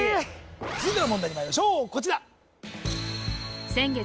続いての問題にまいりましょうこちら先月